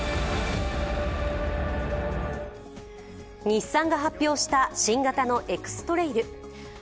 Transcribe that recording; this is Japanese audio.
日産が発表した新型のエクストレイル。